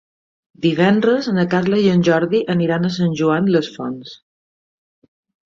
Divendres na Carla i en Jordi aniran a Sant Joan les Fonts.